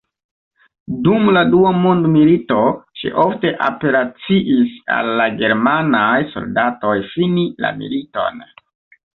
Dum la Dua Mondmilito ŝi ofte apelaciis al la germanaj soldatoj fini la militon.